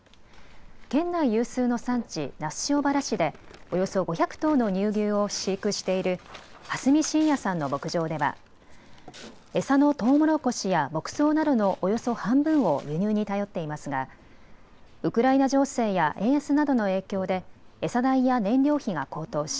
県内有数の産地、那須塩原市でおよそ５００頭の乳牛を飼育している蓮實伸也さんの牧場では餌のトウモロコシや牧草などのおよそ半分を輸入に頼っていますが、ウクライナ情勢や円安などの影響で餌代や燃料費が高騰し